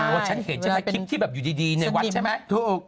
ว่าฉันเห็นใช่ไหมคลิปที่แบบอยู่ดีในวัดใช่ไหม